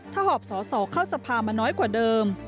ถ้าหอบสอสอเข้าสภามาน้อยกว่าเดิม